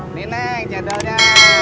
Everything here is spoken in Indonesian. ini nek jadalnya